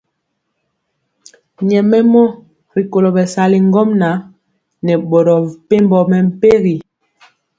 Nyɛmemɔ rikolo bɛsali ŋgomnaŋ nɛ boro mepempɔ mɛmpegi.